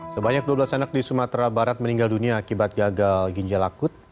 sebanyak dua belas anak di sumatera barat meninggal dunia akibat gagal ginjal akut